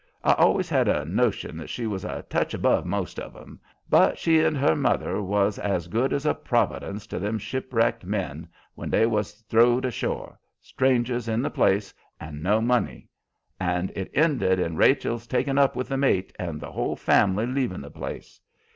I always had a notion that she was a touch above most of 'em, but she and her mother was as good as a providence to them shipwrecked men when they was throwed ashore, strangers in the place and no money; and it ended in Rachel's takin' up with the mate and the whole family's leavin' the place.